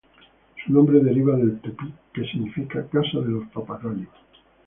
Su nombre deriva del tupí, que significa "casa de los papagayos".